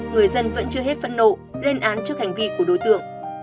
người dân vẫn chưa hết phẫn nộ lên án trước hành vi của đối tượng